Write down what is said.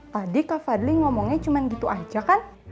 tadi kak fadli ngomongnya cuma gitu aja kan